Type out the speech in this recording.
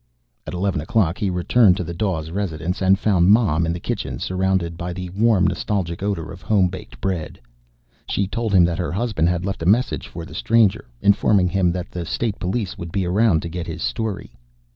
At eleven o'clock, he returned to the Dawes residence, and found Mom in the kitchen, surrounded by the warm nostalgic odor of home baked bread. She told him that her husband had left a message for the stranger, informing him that the State Police would be around to get his story.